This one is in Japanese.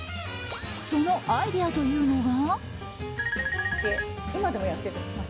そのアイデアというのが。